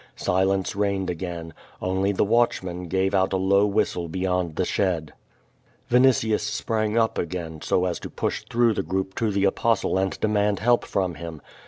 Silence reigned again. Only the watchman gave out a low whistle beyond the shed. Vinitius sprang up again, so as to push through the group to the Apostle and demand help from him.